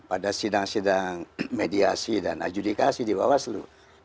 ada sidang sidang mediasi dan adjudikasi di bawah seluruh